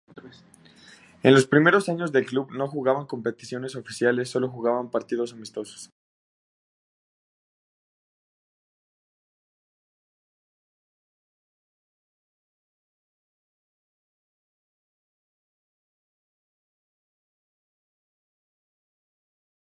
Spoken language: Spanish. En los primeros años del club, no jugaban competiciones oficiales, solo jugaban partidos amistosos.